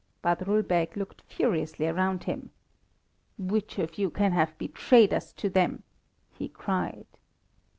Badrul Beg looked furiously around him. "Which of you can have betrayed us to them?" he cried.